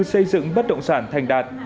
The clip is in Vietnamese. xây dựng bất động sản thành đạt